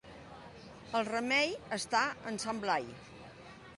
El remei està en Sant Blai.